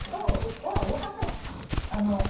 手は動かさない？